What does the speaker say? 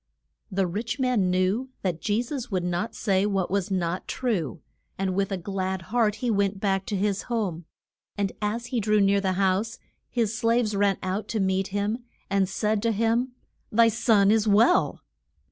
The rich man knew that Je sus would not say what was not true, and with a glad heart went back to his home. And as he drew near the house his slaves ran out to meet him, and said to him, Thy son is well.